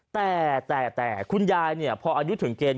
แต่แต่แต่คุณยายพออายุถึงเกณฑ์